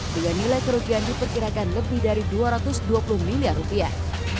dengan nilai kerugian diperkirakan lebih dari dua ratus dua puluh miliar rupiah